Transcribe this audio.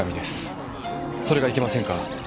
それがいけませんか？